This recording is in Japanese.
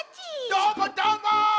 どーもどーも！